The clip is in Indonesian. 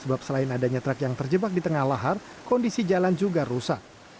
sebab selain adanya truk yang terjebak di tengah lahar kondisi jalan juga rusak